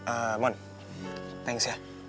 eh mohon thanks ya